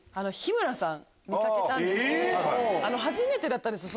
初めてだったんですよ